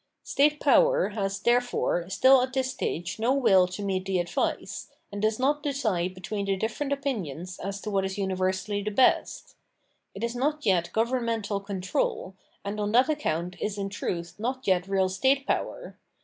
State power has, therefore, still at this stage no will to meet the advice, and does not decide between the different opinions as to what is universally the best. It is not yet governmental control, and on that account is in truth not yet real state power.